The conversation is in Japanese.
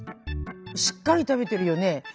しっかり食べてるよね。